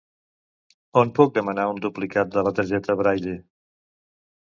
On puc demanar un duplicat de la targeta Braille?